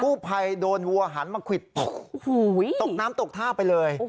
ผู้ภัยโดนวัวหันมาควิดตกน้ำตกท่าไปเลย